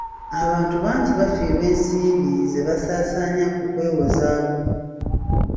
Abantu bangi bafiirwa ensimbi ze basasaanyiza ku kwewozaako.